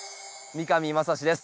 三上真史です。